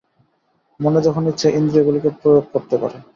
মন যেখানে ইচ্ছা ইন্দ্রিয়গুলিকে প্রয়োগ করতে পারে।